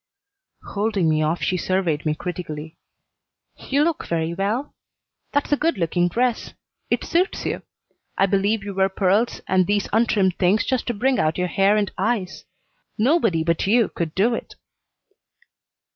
Holding me off, she surveyed me critically. "You look very well. That's a good looking dress. It suits you. I believe you wear pearls and these untrimmed things just to bring out your hair and eyes. Nobody but you could do it."